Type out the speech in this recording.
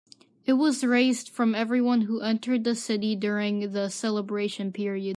It was raised from everyone who entered the city during the celebration period.